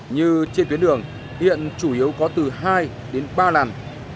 như trên tuyến đường hiện chủ yếu có từ hai đến ba làn